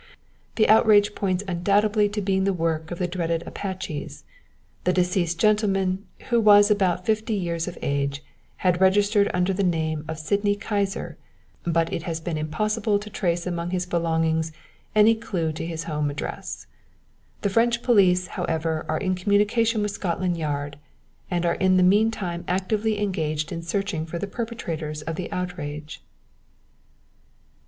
The outrage points undoubtedly to being the work of the dreaded Apaches. The deceased gentleman, who was about fifty years of age, had registered under the name of Sydney Kyser, but it has been impossible to trace among his belongings any clue to his home address. The French police, however, are in communication with Scotland Yard, and are in the mean time actively engaged in searching for the perpetrators of the outrage."